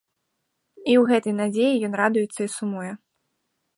І ў гэтай надзеі ён радуецца і сумуе.